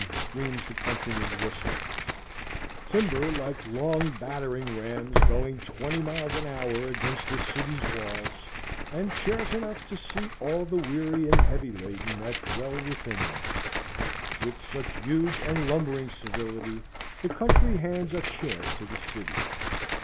screams the countryman's whistle; timber like long battering rams going twenty miles an hour against the city's walls, and chairs enough to seat all the weary and heavy laden that dwell within them. With such huge and lumbering civility the country hands a chair to the city.